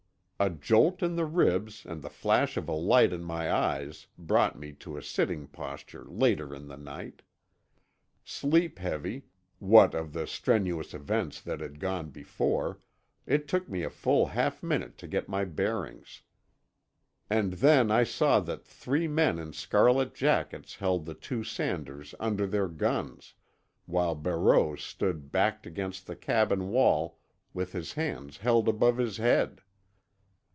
A jolt in the ribs and the flash of a light in my eyes brought me to a sitting posture later in the night. Sleep heavy, what of the strenuous events that had gone before, it took me a full half minute to get my bearings. And then I saw that three men in scarlet jackets held the two Sanders under their guns, while Barreau stood backed against the cabin wall with his hands held above his head.